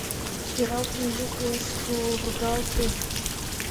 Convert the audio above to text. Пералтыме йӱк уэш сургалте.